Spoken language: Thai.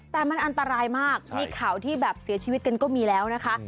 แต่มันอันตรายมากมีข่าวที่แบบเสียชีวิตกันก็มีแล้วนะคะ